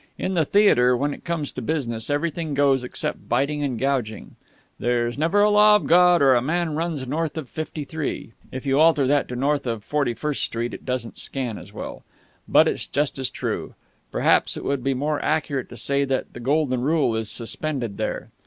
In the theatre, when it comes to business, everything goes except biting and gouging. 'There's never a law of God or man runs north of fifty three.' If you alter that to 'north of Forty first Street' it doesn't scan as well, but it's just as true. Perhaps it would be more accurate to say that the Golden Rule is suspended there.